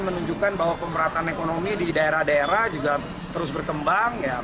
menunjukkan bahwa pemerataan ekonomi di daerah daerah juga terus berkembang